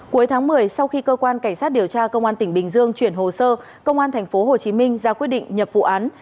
cuối tháng một mươi sau khi cơ quan cảnh sát điều tra công an tp hcm chuyển hồ sơ công an tp hcm ra quyết định nhập vụ án